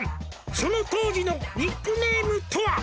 「その当時のニックネームとは？」